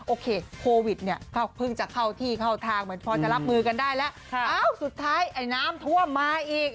โอเคโควิดเนี่ยก็เพิ่งจะเข้าที่เข้าทางเหมือนพอจะรับมือกันได้แล้วอ้าวสุดท้ายไอ้น้ำท่วมมาอีก